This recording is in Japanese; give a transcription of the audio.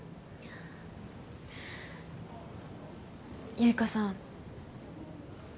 結花さん。